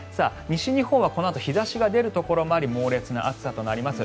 西日本はこのあと日差しが出るところもあり猛烈な暑さとなります。